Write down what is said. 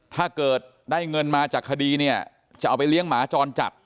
ถ้าเกิดได้เงินมาจากคดีเนี่ยจะเอาไปเลี้ยงหมาจรจัด